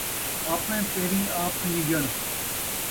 آپݨے پیریں آپ ٹن٘گیجݨ